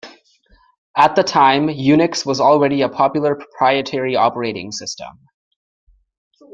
At the time, Unix was already a popular proprietary operating system.